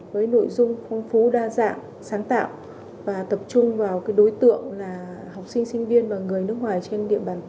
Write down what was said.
với nội dung phong phú đa dạng sáng tạo và tập trung vào cái đối tượng là học sinh sinh viên và người nước ngoài trên địa bàn tỉnh